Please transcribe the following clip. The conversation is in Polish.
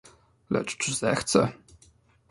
"Lecz czy zechce?"